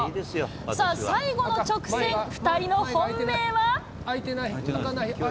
さあ、最後の直線、２人の本命は？